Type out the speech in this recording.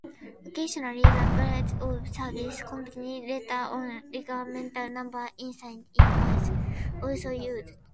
Occasionally, the branch of service, company letter or regimental number insignia was also used.